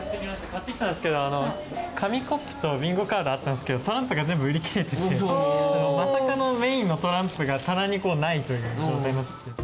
買ってきたんですけど紙コップとビンゴカードあったんですけどトランプが全部売り切れててまさかのメインのトランプが棚にないという状態になっちゃって。